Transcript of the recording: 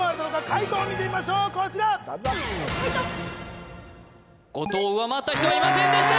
解答を見てみましょうこちら後藤を上回った人はいませんでした